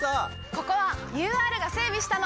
ここはＵＲが整備したの！